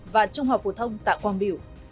và trung học phổ thông tại quang biểu